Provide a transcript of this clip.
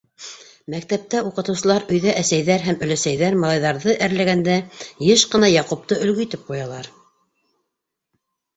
Мәктәптә уҡытыусылар, өйҙә әсәйҙәр һәм өләсәйҙәр малайҙарҙы әрләгәндә йыш ҡына Яҡупты өлгө итеп ҡуялар.